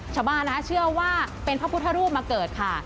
ชาวบ้านนะคะเชื่อว่าเป็นพระพุทธรูปมาเกิดค่ะ